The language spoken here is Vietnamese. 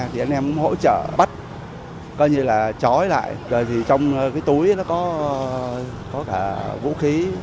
thì anh em hỗ trợ bắt coi như là chói lại rồi thì trong cái túi nó có cả vũ khí